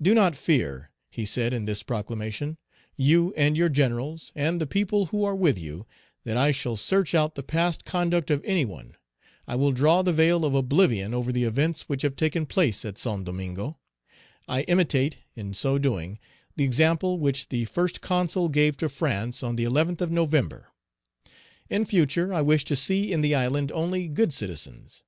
"Do not fear," he said in this proclamation, "you and your generals, and the people who are with you, that I shall search out the past conduct of any one; I will draw the veil of oblivion over the events which have taken place at Saint Domingo; I imitate, in so doing, the example which the First Consul gave to France on the 11th of November. In future, I wish to see in the island only good citizens.